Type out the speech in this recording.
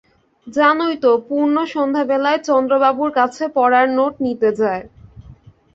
জানই তো, পূর্ণ সন্ধ্যাবেলায় চন্দ্রবাবুর কাছে পড়ার নোট নিতে যায়।